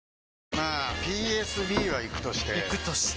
まあＰＳＢはイクとしてイクとして？